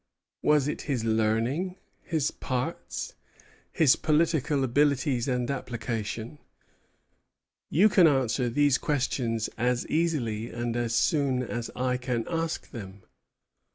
Was it his learning, his parts, his political abilities and application? You can answer these questions as easily and as soon as I can ask them.